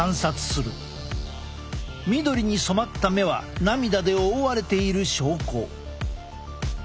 緑に染まった目は涙で覆われている証拠。